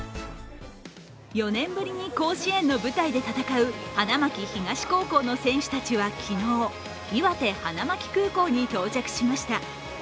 ４年ぶりに甲子園の舞台で戦う花巻東高校の選手たちは昨日、いわて花巻空港に到着しました。